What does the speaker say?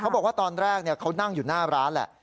บอกว่าตอนแรกเขานั่งอยู่หน้าร้านแหละ